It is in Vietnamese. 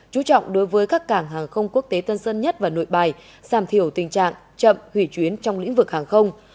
chú trọng đối với các cảng hàng không quốc tế tân sơn nhất và nội bài giảm thiểu tình trạng chậm hủy chuyến trong lĩnh vực hàng không